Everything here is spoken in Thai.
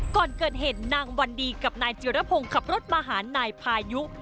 ก่อนเกิดเหตุนางวันดีกับนายจิรพงศ์ขับรถมาหานายพายุ